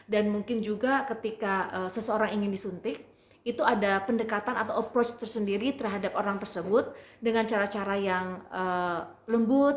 dan mungkin juga ketika seseorang ingin disuntik itu ada pendekatan atau approach tersendiri terhadap orang tersebut dengan cara cara yang lembut